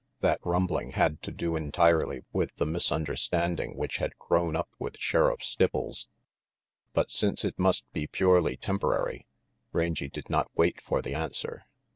That rumbling had to do entirely with the mis understanding which had grown up with Sheriff Stipples; but since it must be purely temporary, Rangy did not wait for the answer.